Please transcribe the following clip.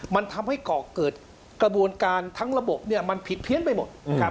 มันทำให้ก่อเกิดกระบวนการทั้งระบบมันผิดเพี้ยนไปหมด